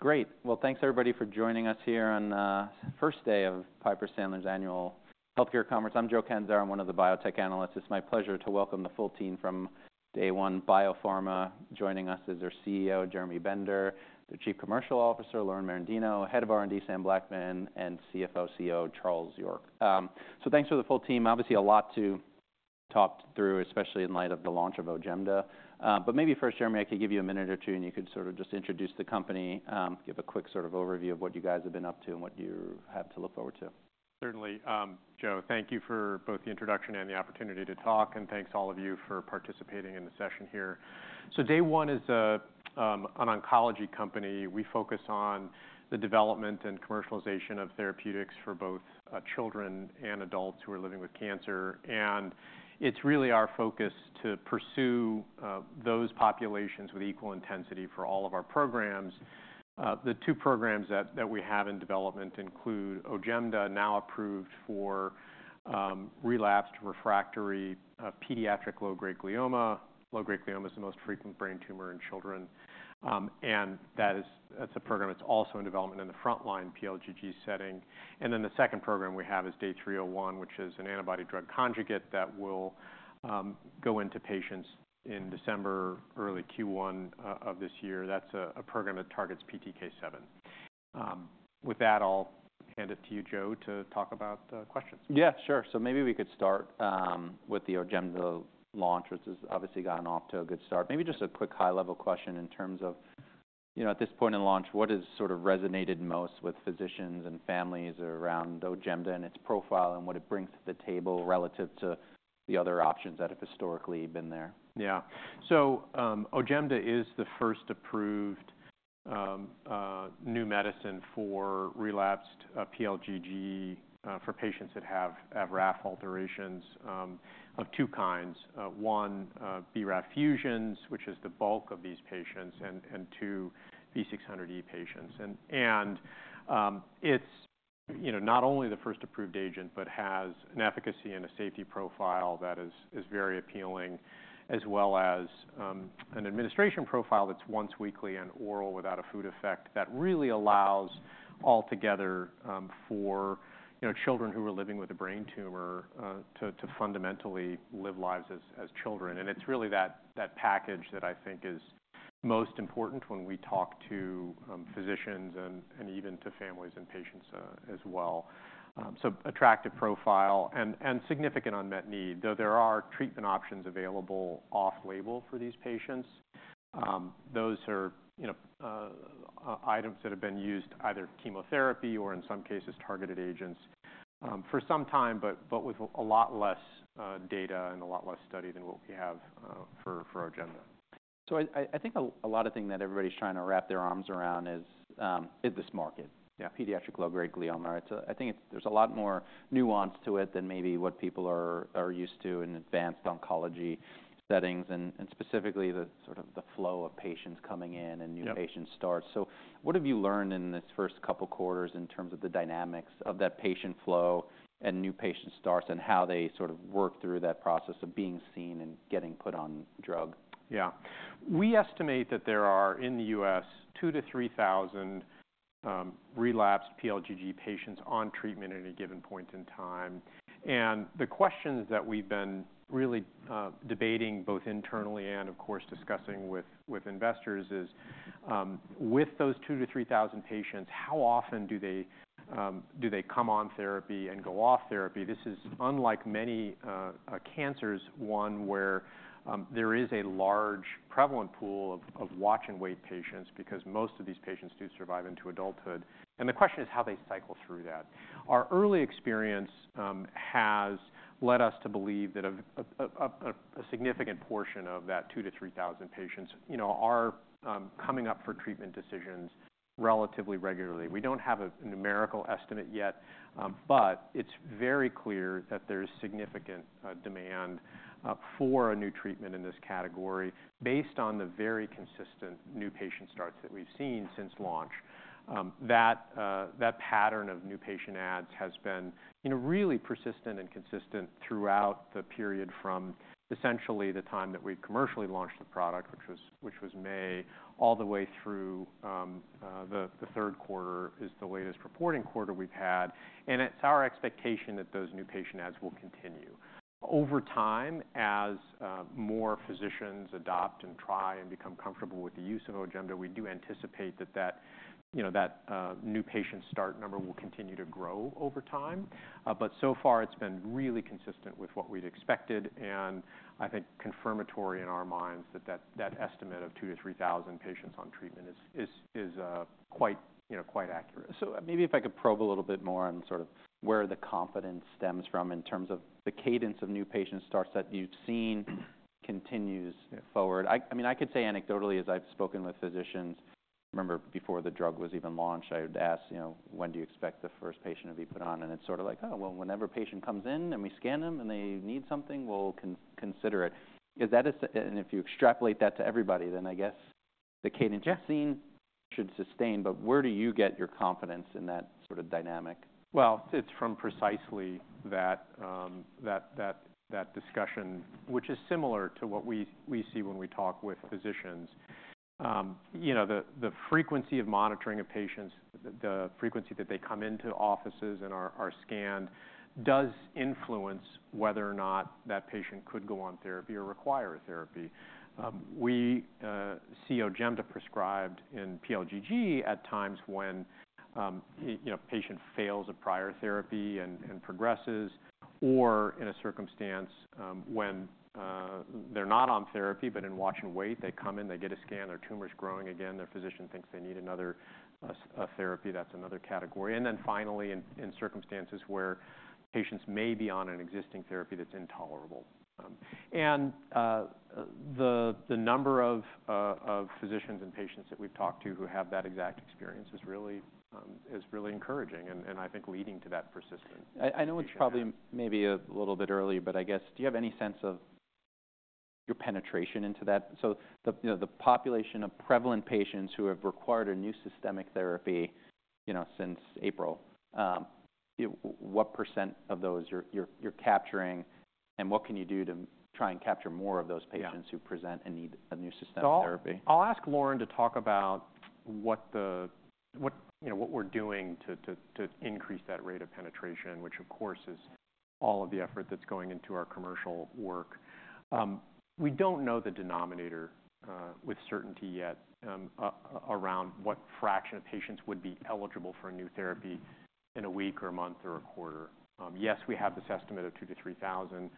Great. Well, thanks everybody for joining us here on first day of Piper Sandler’s Annual Healthcare Conference. I’m Joe Kinder. I’m one of the biotech analysts. It’s my pleasure to welcome the full team from Day One Biopharma. Joining us is our CEO, Jeremy Bender, the Chief Commercial Officer, Lauren Merendino, Head of R&D, Sam Blackman, and CFO/COO, Charles York. So thanks for the full team. Obviously, a lot to talk through, especially in light of the launch of Ojemda. But maybe first, Jeremy, I could give you a minute or two, and you could sort of just introduce the company, give a quick sort of overview of what you guys have been up to and what you have to look forward to. Certainly. Joe, thank you for both the introduction and the opportunity to talk, and thanks to all of you for participating in the session here. So Day One is an oncology company. We focus on the development and commercialization of therapeutics for both children and adults who are living with cancer. And it's really our focus to pursue those populations with equal intensity for all of our programs. The two programs that we have in development include Ojemda, now approved for relapsed refractory pediatric low-grade glioma. Low-grade glioma is the most frequent brain tumor in children. And that is a program that's also in development in the frontline pLGG setting. And then the second program we have is DAY301, which is an antibody-drug conjugate that will go into patients in December, early Q1, of this year. That's a program that targets PTK7. With that, I'll hand it to you, Joe, to talk about questions. Yeah, sure. So maybe we could start with the Ojemda launch, which has obviously gotten off to a good start. Maybe just a quick high-level question in terms of, you know, at this point in launch, what has sort of resonated most with physicians and families around Ojemda and its profile and what it brings to the table relative to the other options that have historically been there. Yeah. So, Ojemda is the first approved, new medicine for relapsed, pLGG, for patients that have RAF alterations, of two kinds. One, BRAF fusions, which is the bulk of these patients, and two, V600E patients. And it's, you know, not only the first approved agent but has an efficacy and a safety profile that is very appealing, as well as an administration profile that's once weekly and oral without a food effect that really allows altogether, for you know, children who are living with a brain tumor, to fundamentally live lives as children. And it's really that package that I think is most important when we talk to physicians and even to families and patients, as well. So attractive profile and significant unmet need. Though there are treatment options available off-label for these patients, those are, you know, items that have been used either chemotherapy or, in some cases, targeted agents, for some time, but with a lot less data and a lot less study than what we have for Ojemda. I think a lot of things that everybody's trying to wrap their arms around is this market. Yeah. Pediatric low-grade glioma. It's, I think it's, there's a lot more nuance to it than maybe what people are used to in advanced oncology settings, and specifically the sort of flow of patients coming in and new patient starts. Yeah. So what have you learned in this first couple quarters in terms of the dynamics of that patient flow and new patient starts and how they sort of work through that process of being seen and getting put on drug? Yeah. We estimate that there are, in the U.S., 2,000-3,000 relapsed pLGG patients on treatment at any given point in time, and the questions that we've been really debating both internally and, of course, discussing with investors is, with those 2,000-3,000 patients, how often do they come on therapy and go off therapy? This is unlike many cancers, one where there is a large prevalent pool of watch-and-wait patients because most of these patients do survive into adulthood, and the question is how they cycle through that. Our early experience has led us to believe that a significant portion of that 2,000-3,000 patients, you know, are coming up for treatment decisions relatively regularly. We don't have a numerical estimate yet, but it's very clear that there's significant demand for a new treatment in this category based on the very consistent new patient starts that we've seen since launch. That pattern of new patient adds has been, you know, really persistent and consistent throughout the period from essentially the time that we commercially launched the product, which was May, all the way through the third quarter, which is the latest reporting quarter we've had. And it's our expectation that those new patient adds will continue. Over time, as more physicians adopt and try and become comfortable with the use of Ojemda, we do anticipate that, you know, that new patient start number will continue to grow over time. But so far, it's been really consistent with what we'd expected, and I think confirmatory in our minds that that estimate of 2,000-3,000 patients on treatment is quite, you know, quite accurate. So maybe if I could probe a little bit more on sort of where the confidence stems from in terms of the cadence of new patient starts that you've seen continues forward. I mean, I could say anecdotally, as I've spoken with physicians, remember before the drug was even launched, I would ask, you know, when do you expect the first patient to be put on? And it's sort of like, oh, well, whenever a patient comes in and we scan them and they need something, we'll consider it. Is that as, and if you extrapolate that to everybody, then I guess the cadence you've seen should sustain. But where do you get your confidence in that sort of dynamic? It's from precisely that discussion, which is similar to what we see when we talk with physicians. You know, the frequency of monitoring of patients, the frequency that they come into offices and are scanned does influence whether or not that patient could go on therapy or require therapy. We see Ojemda prescribed in pLGG at times when, you know, a patient fails a prior therapy and progresses, or in a circumstance, when they're not on therapy but in watch-and-wait, they come in, they get a scan, their tumor's growing again, their physician thinks they need another therapy, that's another category, and then finally, in circumstances where patients may be on an existing therapy that's intolerable. and the number of physicians and patients that we've talked to who have that exact experience is really encouraging and I think leading to that persistence. I know it's probably maybe a little bit early, but I guess, do you have any sense of your penetration into that? So, you know, the population of prevalent patients who have required a new systemic therapy, you know, since April, you know, what % of those you're capturing, and what can you do to try and capture more of those patients who present and need a new systemic therapy? So I'll ask Lauren to talk about what, you know, what we're doing to increase that rate of penetration, which, of course, is all of the effort that's going into our commercial work. We don't know the denominator with certainty yet around what fraction of patients would be eligible for a new therapy in a week or a month or a quarter. Yes, we have this estimate of 2,000-3,000,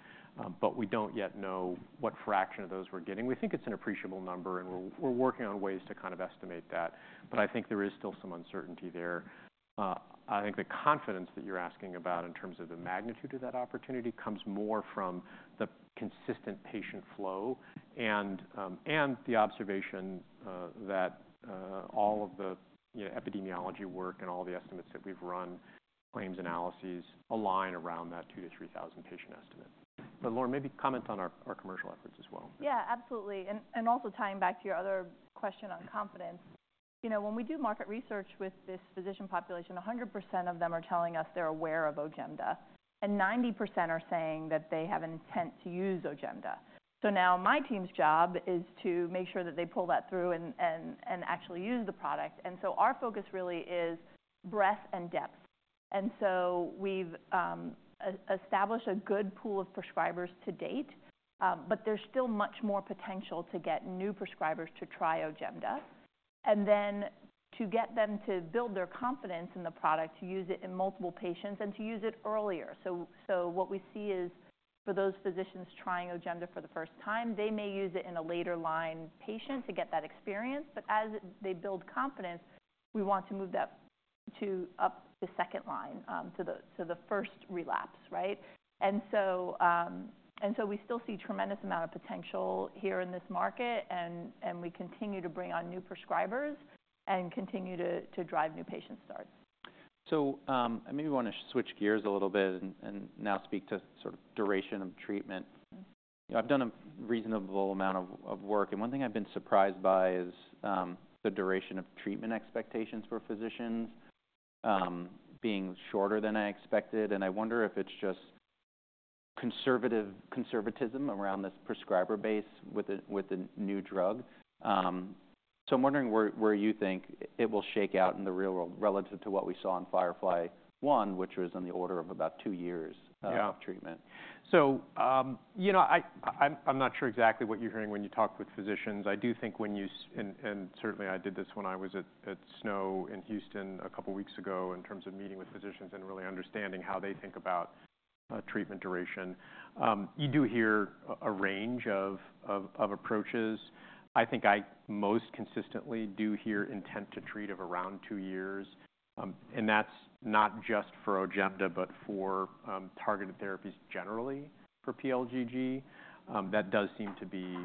but we don't yet know what fraction of those we're getting. We think it's an appreciable number, and we're working on ways to kind of estimate that. But I think there is still some uncertainty there. I think the confidence that you're asking about in terms of the magnitude of that opportunity comes more from the consistent patient flow and the observation that all of the, you know, epidemiology work and all the estimates that we've run, claims analyses align around that 2,000-3,000 patient estimate. But Lauren, maybe comment on our commercial efforts as well. Yeah, absolutely. And also tying back to your other question on confidence, you know, when we do market research with this physician population, 100% of them are telling us they're aware of Ojemda, and 90% are saying that they have an intent to use Ojemda. So now my team's job is to make sure that they pull that through and actually use the product. And so our focus really is breadth and depth. And so we've established a good pool of prescribers to date, but there's still much more potential to get new prescribers to try Ojemda, and then to get them to build their confidence in the product, to use it in multiple patients, and to use it earlier. So what we see is for those physicians trying Ojemda for the first time, they may use it in a later-line patient to get that experience. But as they build confidence, we want to move that up to the second line, to the first relapse, right? And so we still see a tremendous amount of potential here in this market, and we continue to bring on new prescribers and continue to drive new patient starts. So, I maybe want to switch gears a little bit and now speak to sort of duration of treatment. You know, I've done a reasonable amount of work, and one thing I've been surprised by is the duration of treatment expectations for physicians being shorter than I expected, and I wonder if it's just conservative conservatism around this prescriber base with the new drug? so I'm wondering where you think it will shake out in the real world relative to what we saw in FIREFLY-1, which was on the order of about two years. Yeah. Of treatment? So, you know, I'm not sure exactly what you're hearing when you talk with physicians. I do think when you say, and certainly I did this when I was at SNO in Houston a couple weeks ago in terms of meeting with physicians and really understanding how they think about treatment duration. You do hear a range of approaches. I think I most consistently do hear intent to treat of around two years. That's not just for Ojemda but for targeted therapies generally for pLGG. That does seem to be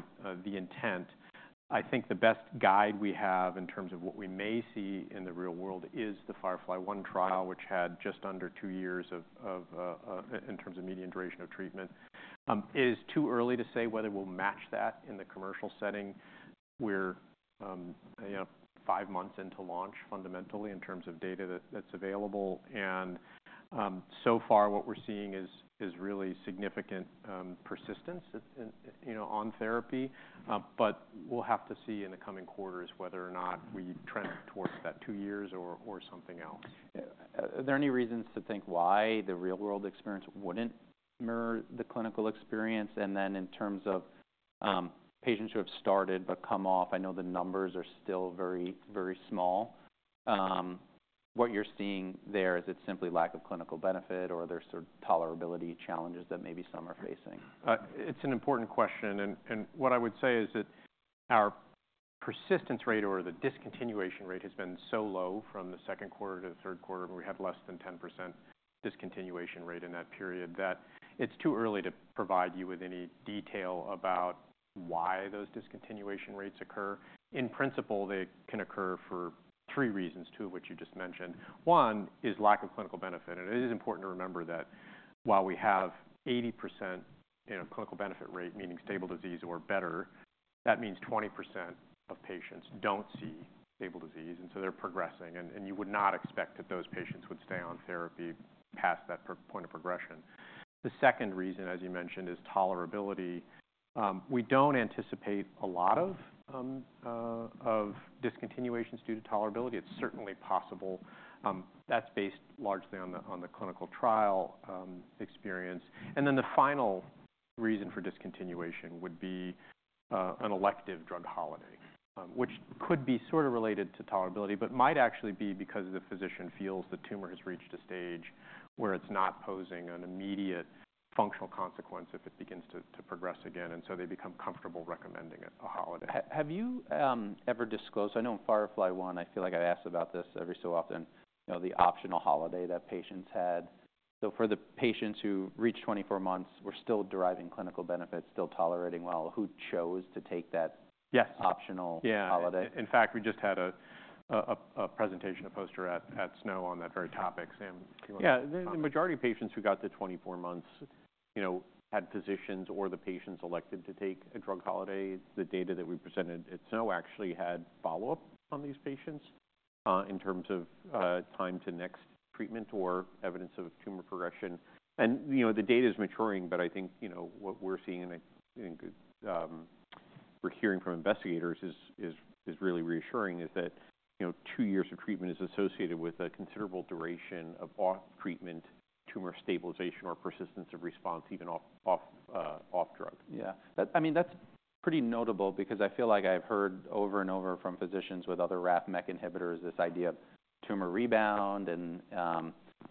the intent. I think the best guide we have in terms of what we may see in the real world is the FIREFLY-1 trial, which had just under two years in terms of median duration of treatment. It is too early to say whether we'll match that in the commercial setting. We're, you know, five months into launch fundamentally in terms of data that's available, and so far, what we're seeing is really significant persistence in you know on therapy, but we'll have to see in the coming quarters whether or not we trend towards that two years or something else. Are there any reasons to think why the real-world experience wouldn't mirror the clinical experience? And then in terms of patients who have started but come off, I know the numbers are still very, very small. What you're seeing there, is it simply lack of clinical benefit or there's sort of tolerability challenges that maybe some are facing? It's an important question. And, and what I would say is that our persistence rate or the discontinuation rate has been so low from the second quarter to the third quarter, and we had less than 10% discontinuation rate in that period that it's too early to provide you with any detail about why those discontinuation rates occur. In principle, they can occur for three reasons, two of which you just mentioned. One is lack of clinical benefit. And it is important to remember that while we have 80%, you know, clinical benefit rate, meaning stable disease or better, that means 20% of patients don't see stable disease, and so they're progressing. And, and you would not expect that those patients would stay on therapy past that point of progression. The second reason, as you mentioned, is tolerability. We don't anticipate a lot of discontinuations due to tolerability. It's certainly possible. That's based largely on the clinical trial experience. And then the final reason for discontinuation would be an elective drug holiday, which could be sort of related to tolerability but might actually be because the physician feels the tumor has reached a stage where it's not posing an immediate functional consequence if it begins to progress again. And so they become comfortable recommending a holiday. Have you ever disclosed? I know in FIREFLY-1, I feel like I've asked about this every so often, you know, the optional holiday that patients had. So for the patients who reached 24 months were still deriving clinical benefit, still tolerating well, who chose to take that. Yes. Optional holiday? Yeah. In fact, we just had a presentation, a poster at SNO on that very topic. Sam, do you want to? Yeah. The majority of patients who got to 24 months, you know, had physicians or the patients elected to take a drug holiday. The data that we presented at SNO actually had follow-up on these patients, in terms of, time to next treatment or evidence of tumor progression. And, you know, the data is maturing, but I think, you know, what we're seeing and, we're hearing from investigators is really reassuring is that, you know, two years of treatment is associated with a considerable duration of off-treatment tumor stabilization or persistence of response even off drug. Yeah. That, I mean, that's pretty notable because I feel like I've heard over and over from physicians with other RAF/MEK inhibitors this idea of tumor rebound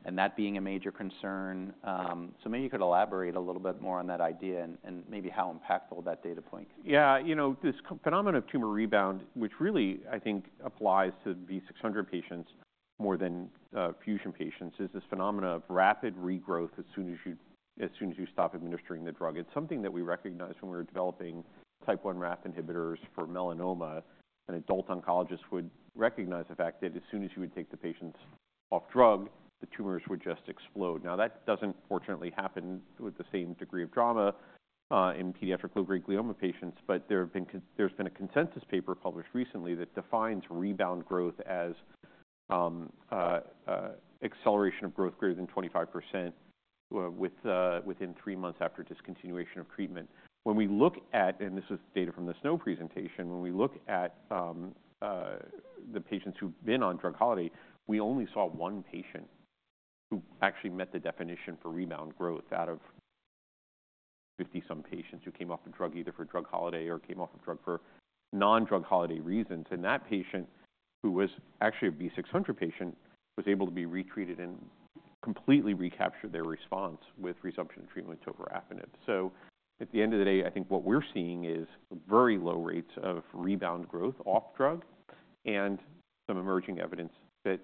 and, that being a major concern. So maybe you could elaborate a little bit more on that idea and, and maybe how impactful that data point. Yeah. You know, this phenomenon of tumor rebound, which really I think applies to V600 patients more than fusion patients, is this phenomenon of rapid regrowth as soon as you stop administering the drug. It's something that we recognized when we were developing Type I RAF inhibitors for melanoma. An adult oncologist would recognize the fact that as soon as you would take the patients off drug, the tumors would just explode. Now, that doesn't fortunately happen with the same degree of drama in pediatric low-grade glioma patients, but there's been a consensus paper published recently that defines rebound growth as acceleration of growth greater than 25%, within three months after discontinuation of treatment. When we look at, and this was data from the SNO presentation, when we look at the patients who've been on drug holiday, we only saw one patient who actually met the definition for rebound growth out of 50-some patients who came off of drug either for drug holiday or came off of drug for non-drug holiday reasons. And that patient who was actually a V600 patient was able to be retreated and completely recaptured their response with resumption of treatment with tovorafenib. So at the end of the day, I think what we're seeing is very low rates of rebound growth off drug and some emerging evidence that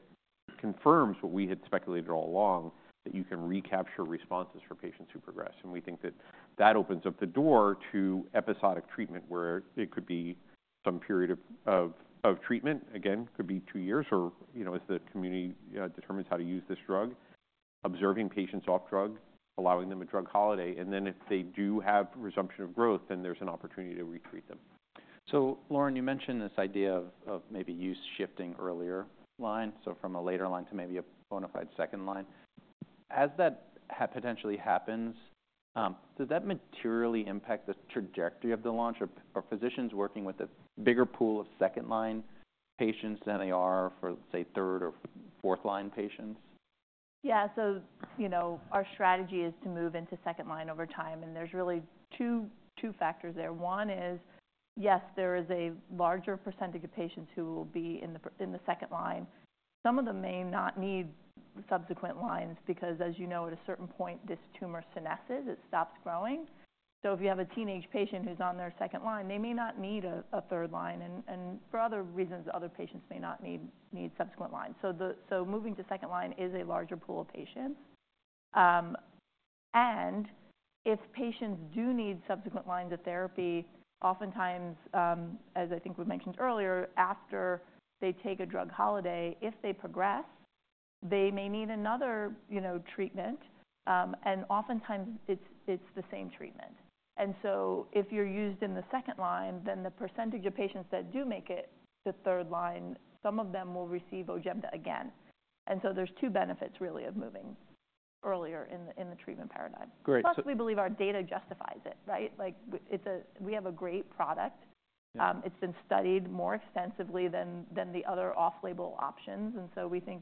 confirms what we had speculated all along, that you can recapture responses for patients who progress. We think that opens up the door to episodic treatment where it could be some period of treatment, again, could be two years or, you know, as the community determines how to use this drug, observing patients off drug, allowing them a drug holiday. Then if they do have resumption of growth, then there's an opportunity to retreat them. So Lauren, you mentioned this idea of maybe use shifting earlier line, so from a later line to maybe a bona fide second line. As that has potentially happens, does that materially impact the trajectory of the launch of physicians working with a bigger pool of second-line patients than they are for, say, third or fourth-line patients? Yeah. So, you know, our strategy is to move into second line over time. There's really two factors there. One is, yes, there is a larger percentage of patients who will be in the second line. Some of them may not need subsequent lines because, as you know, at a certain point, this tumor senesces, it stops growing. So if you have a teenage patient who's on their second line, they may not need a third line and for other reasons, other patients may not need subsequent lines. So moving to second line is a larger pool of patients. And if patients do need subsequent lines of therapy, oftentimes, as I think we mentioned earlier, after they take a drug holiday, if they progress, they may need another, you know, treatment. And oftentimes it's the same treatment. And so if you're used in the second line, then the percentage of patients that do make it to third line, some of them will receive Ojemda again. And so there's two benefits really of moving earlier in the treatment paradigm. Great. Plus, we believe our data justifies it, right? Like, we have a great product. It's been studied more extensively than the other off-label options, and so we think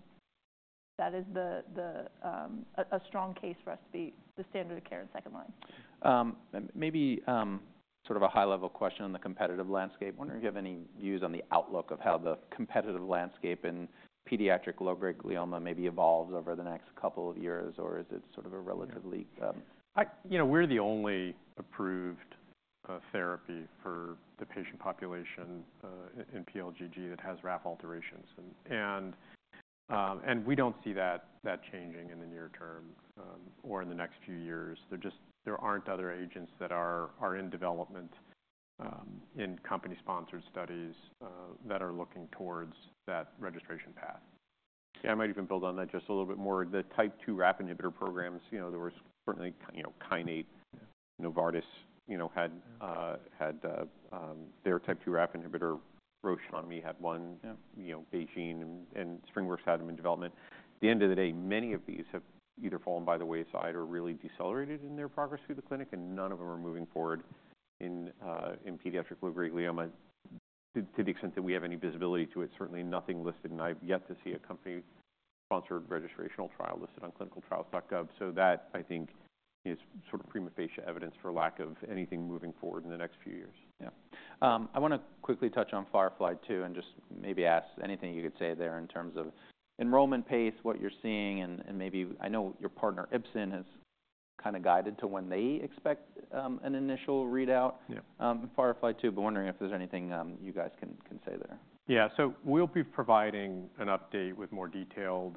that is a strong case for us to be the standard of care in second line. Maybe, sort of a high-level question on the competitive landscape. I wonder if you have any views on the outlook of how the competitive landscape in pediatric low-grade glioma maybe evolves over the next couple of years, or is it sort of a relatively, You know, we're the only approved therapy for the patient population in pLGG that has RAF alterations, and we don't see that changing in the near term or in the next few years. There just aren't other agents that are in development in company-sponsored studies that are looking towards that registration path. Yeah. I might even build on that just a little bit more. The Type II RAF inhibitor programs, you know, there was certainly, you know, Kinnate, Novartis had their Type II RAF inhibitor. Roche had one. Yeah. You know, BeiGene and SpringWorks had them in development. At the end of the day, many of these have either fallen by the wayside or really decelerated in their progress through the clinic, and none of them are moving forward in pediatric low-grade glioma. To the extent that we have any visibility to it, certainly nothing listed, and I've yet to see a company-sponsored registrational trial listed on clinicaltrials.gov. So that I think is sort of prima facie evidence for lack of anything moving forward in the next few years. Yeah. I want to quickly touch on FIREFLY-2 and just maybe ask anything you could say there in terms of enrollment pace, what you're seeing, and, and maybe I know your partner Ipsen has, kind of guided to when they expect, an initial readout. Yeah. FIREFLY-2, but wondering if there's anything you guys can say there. Yeah, so we'll be providing an update with more detailed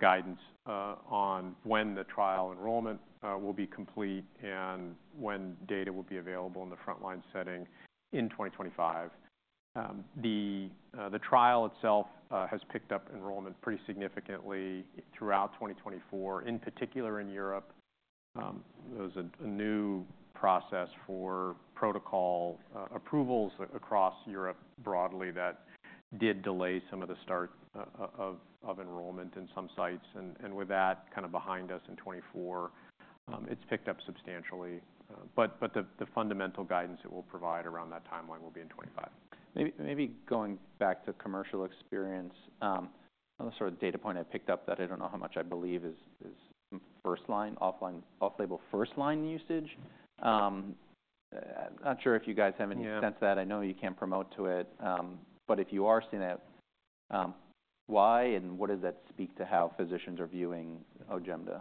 guidance on when the trial enrollment will be complete and when data will be available in the frontline setting in 2025. The trial itself has picked up enrollment pretty significantly throughout 2024, in particular in Europe. There was a new process for protocol approvals across Europe broadly that did delay some of the start of enrollment in some sites, and with that kind of behind us in 2024, it's picked up substantially, but the fundamental guidance that we'll provide around that timeline will be in 2025. Maybe, maybe going back to commercial experience, on the sort of data point I picked up that I don't know how much I believe is, is first line, off-line, off-label first line usage. I'm not sure if you guys have any sense of that. I know you can't promote to it. But if you are seeing that, why and what does that speak to how physicians are viewing Ojemda?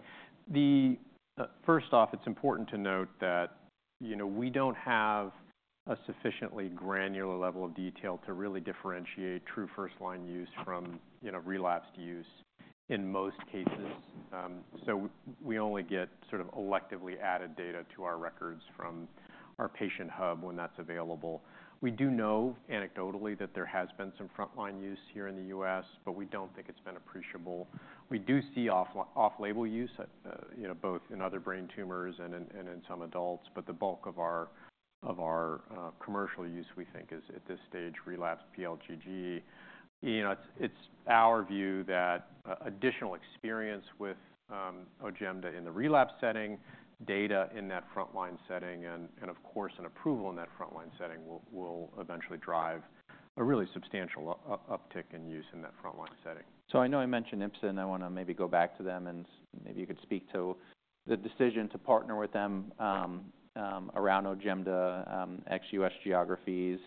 First off, it's important to note that, you know, we don't have a sufficiently granular level of detail to really differentiate true first line use from, you know, relapsed use in most cases, so we only get sort of electronically added data to our records from our patient hub when that's available. We do know anecdotally that there has been some frontline use here in the U.S., but we don't think it's been appreciable. We do see off-label use, you know, both in other brain tumors and in some adults, but the bulk of our commercial use we think is at this stage relapsed pLGG. You know, it's our view that additional experience with Ojemda in the relapse setting, data in that frontline setting, and of course an approval in that frontline setting will eventually drive a really substantial uptick in use in that frontline setting. So I know I mentioned Ipsen. I want to maybe go back to them and maybe you could speak to the decision to partner with them, around Ojemda, ex-U.S. geographies,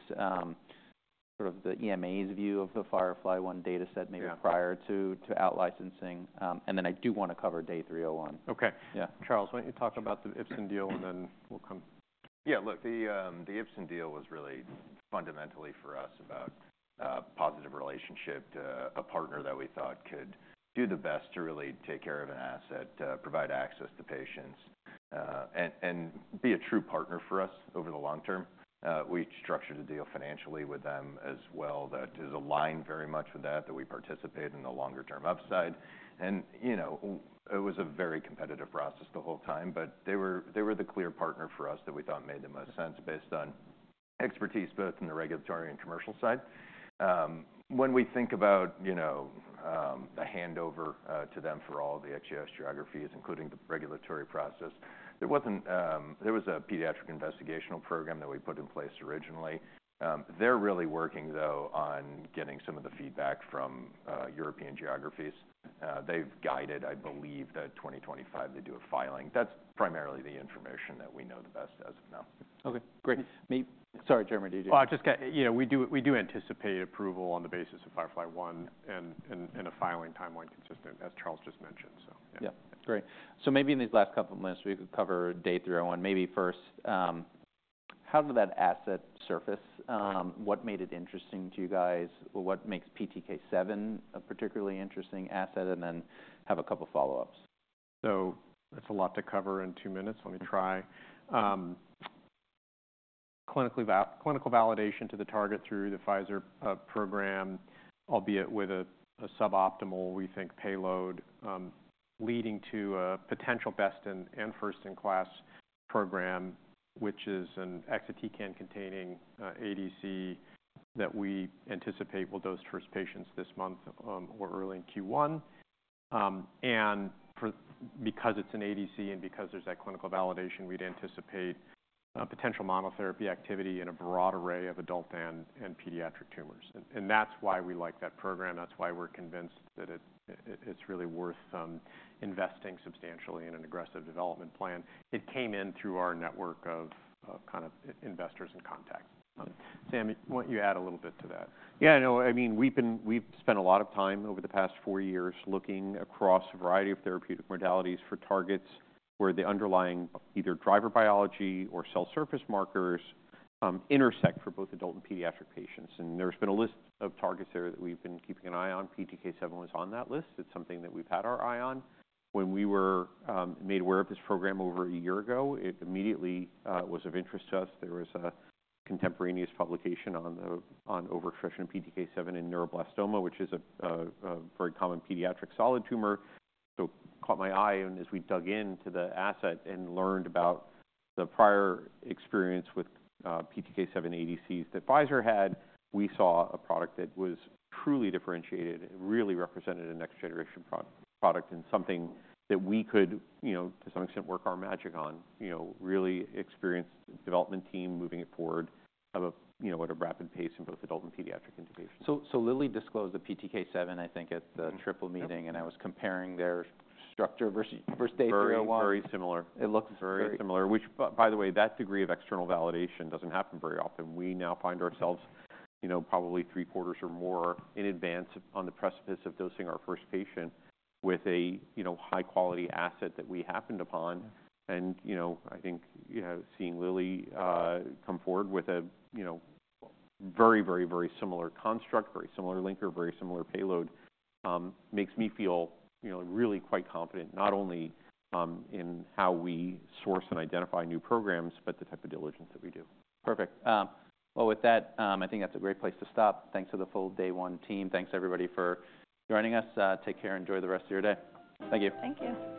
sort of the EMA's view of the FIREFLY-1 data set maybe prior to outlicensing. And then I do want to cover DAY301. Okay. Yeah. Charles, why don't you talk about the Ipsen deal and then we'll come. Yeah. Look, the Ipsen deal was really fundamentally for us about positive relationship to a partner that we thought could do the best to really take care of an asset, provide access to patients, and be a true partner for us over the long term. We structured the deal financially with them as well that is aligned very much with that we participate in the longer-term upside, and you know, it was a very competitive process the whole time, but they were the clear partner for us that we thought made the most sense based on expertise both in the regulatory and commercial side. When we think about, you know, the handover to them for all the ex-U.S. geographies, including the regulatory process, there was a pediatric investigational program that we put in place originally. They're really working though on getting some of the feedback from European geographies. They've guided, I believe, that 2025 they do a filing. That's primarily the information that we know the best as of now. Okay. Great. I'm sorry, Jeremy. Did you? I just got, you know, we do anticipate approval on the basis of FIREFLY-1 and a filing timeline consistent as Charles just mentioned. So yeah. Yeah. Great. So maybe in these last couple of minutes we could cover DAY301. Maybe first, how did that asset surface? What made it interesting to you guys? What makes PTK7 a particularly interesting asset? And then have a couple of follow-ups. That's a lot to cover in two minutes. Let me try. Clinical validation to the target through the Pfizer program, albeit with a suboptimal, we think, payload, leading to a potential best in and first in class program, which is an exatecan-containing ADC that we anticipate will dose first patients this month, or early in Q1. And because it's an ADC and because there's that clinical validation, we'd anticipate potential monotherapy activity in a broad array of adult and pediatric tumors. And that's why we like that program. That's why we're convinced that it's really worth investing substantially in an aggressive development plan. It came in through our network of kind of investors and contacts. Sam, why don't you add a little bit to that? Yeah. No, I mean, we've been, we've spent a lot of time over the past four years looking across a variety of therapeutic modalities for targets where the underlying either driver biology or cell surface markers, intersect for both adult and pediatric patients. And there's been a list of targets there that we've been keeping an eye on. PTK7 was on that list. It's something that we've had our eye on. When we were, made aware of this program over a year ago, it immediately, was of interest to us. There was a contemporaneous publication on over-expression of PTK7 in neuroblastoma, which is a very common pediatric solid tumor. So it caught my eye. As we dug into the asset and learned about the prior experience with PTK7 ADCs that Pfizer had, we saw a product that was truly differentiated, really represented a next-generation product and something that we could, you know, to some extent work our magic on, you know, really experienced development team moving it forward, you know, at a rapid pace in both adult and pediatric indications. Lilly disclosed the PTK7, I think, at the Triple Meeting, and I was comparing their structure versus DAY301. Very, very similar. It looks very similar. Very similar, which, by the way, that degree of external validation doesn't happen very often. We now find ourselves, you know, probably three quarters or more in advance on the precipice of dosing our first patient with a, you know, high-quality asset that we happened upon. And, you know, I think, you know, seeing Eli Lilly come forward with a, you know, very, very, very similar construct, very similar linker, very similar payload, makes me feel, you know, really quite confident not only in how we source and identify new programs, but the type of diligence that we do. Perfect. Well, with that, I think that's a great place to stop. Thanks to the full Day One Team. Thanks, everybody, for joining us. Take care and enjoy the rest of your day. Thank you. Thank you.